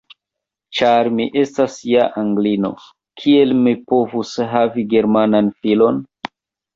Ĉar mi estas ja Anglino, kiel mi povus havi Germanan filon?